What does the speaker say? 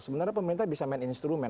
sebenarnya pemerintah bisa main instrumen